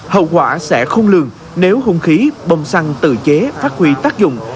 hậu quả sẽ không lường nếu không khí bông xăng tự chế phát huy tác dụng